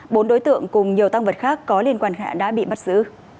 bốn đối tượng cùng nhiều tăng vật khác có liên quan hạ đã bị bắt giữ